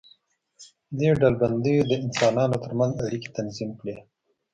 دې ډلبندیو د انسانانو تر منځ اړیکې تنظیم کړې.